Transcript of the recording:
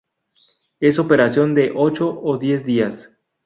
Es operación de ocho ó diez días.